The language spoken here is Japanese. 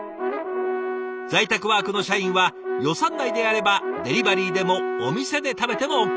在宅ワークの社員は予算内であればデリバリーでもお店で食べてもＯＫ。